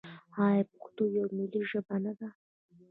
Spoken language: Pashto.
آیا پښتو یوه ملي ژبه نه ده؟